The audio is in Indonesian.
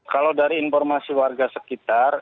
kalau dari informasi warga sekitar